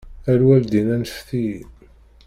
A lwaldin anfet-iyi.